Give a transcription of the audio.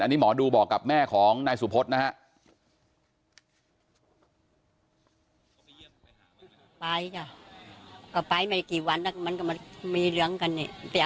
อันนี้หมอดูบอกกับแม่ของนายสุพธนะฮะ